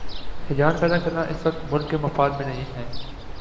ہیجان پیدا کرنا اس وقت ملک کے مفاد میں نہیں ہے۔